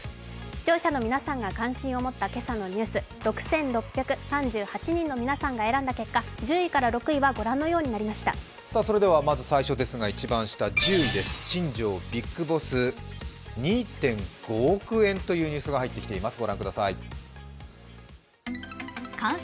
視聴者の皆さんが関心を持った今朝のニュース６６３８人の皆さんが選んだ結果、１０位から６位は御覧のようになりました一番下、１０位、新庄ＢＩＧＢＯＳＳ２．５億円というニュースが入ってきています。